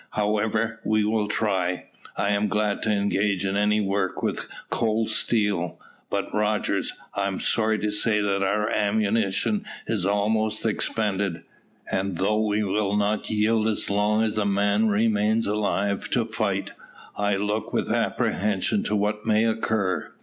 "However, we will try. I am glad to engage in any work with cold steel; but, Rogers, I am sorry to say that our ammunition is almost expended, and though we will not yield as long as a man remains alive to fight, I look with apprehension to what may occur."